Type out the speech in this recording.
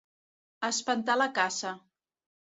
Espantar la caça.